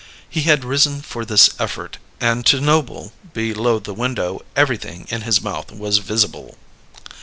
He had risen for this effort, and to Noble, below the window, everything in his mouth was visible.